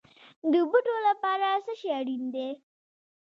د بوټو لپاره څه شی اړین دی؟